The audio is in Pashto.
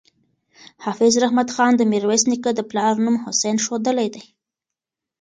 حافظ رحمت خان د میرویس نیکه د پلار نوم حسین ښودلی دی.